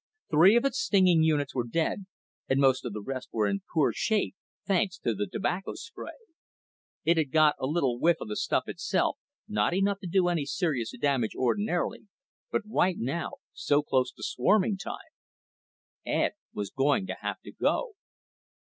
Three of its stinging units were dead, and most of the rest were in poor shape, thanks to the tobacco spray. It had got a little whiff of the stuff itself, not enough to do any serious damage ordinarily, but right now, so close to swarming time Ed was going to have to go.